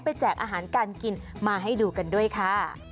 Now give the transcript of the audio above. แจกอาหารการกินมาให้ดูกันด้วยค่ะ